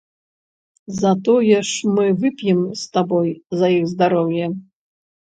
Затое ж мы вып'ем з табой за іх здароўе.